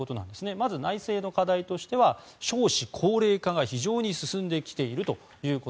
まず内政の課題としては少子高齢化が非常に進んできていると。